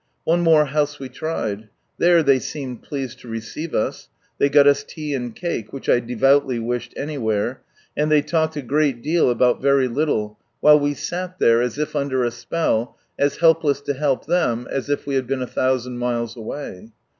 One more house we tried. There they seemed pleased to receive us. They got us tea and cake {which I devoutly wished anywhere), and they lalked a great deal about very little, while we sat there, as if under a spell, as helple.ss to help them as if we had been a thousand miles away.